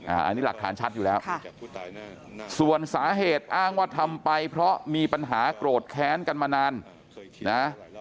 อันนี้หลักฐานชัดอยู่แล้วส่วนสาเหตุอ้างว่าทำไปเพราะมีปัญหาโกรธแค้นกันมานานนะ